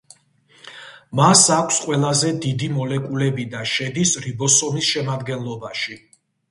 მას აქვს ყველაზე დიდი მოლეკულები და შედის რიბოსომის შემადგენლობაში.